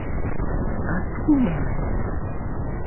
Одумалась.